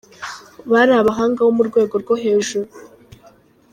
Bari abahanga bo mu rwego rwo hejuru.